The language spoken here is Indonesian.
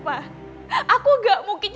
katakanlah siapa yang mengurusnya